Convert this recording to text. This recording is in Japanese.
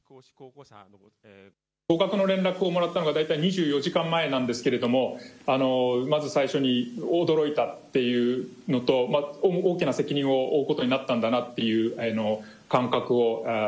合格の連絡をもらったのが大体２４時間前なんですけれどもまず最初に驚いたっていうのと大きな責任を負うことになったんだなという感覚を。